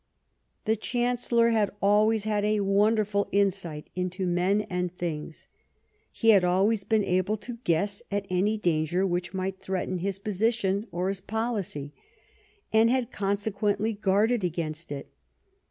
The Chancellor had always had a wonderful in sight into men and things ; he had always been able to guess at any danger which might threaten his position or his policy, and had consequently guarded against it.